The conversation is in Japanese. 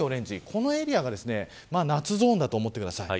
このエリアが夏ゾーンだと思ってください。